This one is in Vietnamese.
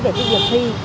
về cái việc thi